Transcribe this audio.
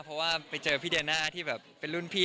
เพราะว่าไปเจอพี่เดียน่าที่แบบเป็นรุ่นพี่